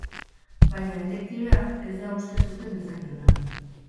Baina detektibea, ez da uste zuten bezain ona.